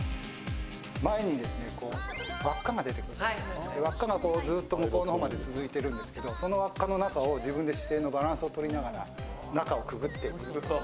前に輪っかが出てくるんで輪っかがずっと向こうの方まで続いているんですけど、自分で姿勢のバランスをとりながら中をくぐっていく。